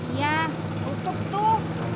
iya tutup tuh